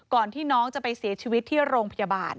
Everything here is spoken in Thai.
ที่น้องจะไปเสียชีวิตที่โรงพยาบาล